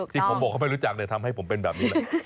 ที่ผมบอกเขาไม่รู้จักทำให้ผมเป็นแบบนี้แหละ